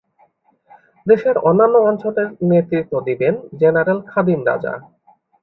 দেশের অন্যান্য অঞ্চলে নেতৃত্ব দিবেন জেনারেল খাদিম রাজা।